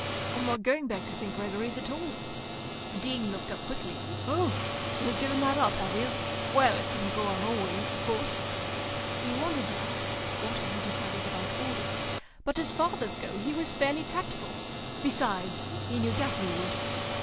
"I'm not going back to St. Gregory's at all." The Dean looked up quickly. "Oh, you've given that up, have you? Well, it couldn't go on always, of course." He wanted to ask, "What have you decided about Orders?" but, as fathers go, he was fairly tactful. Besides, he knew Daphne would.